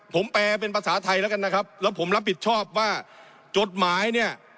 ผมแปลเป็นภาษาไทยแล้วกันนะครับแล้วผมรับผิดชอบว่าจดหมายเนี่ย